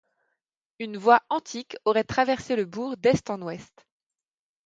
Une voie antique aurait traversé le bourg d'est en ouest.